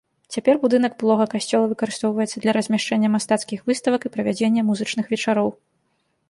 Цяпер будынак былога касцёла выкарыстоўваецца для размяшчэння мастацкіх выставак і правядзення музычных вечароў.